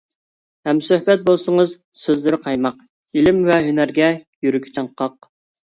ھەمسۆھبەت بولسىڭىز سۆزلىرى «قايماق» ، ئىلىم ۋە ھۈنەرگە يۈرىكى چاڭقاق.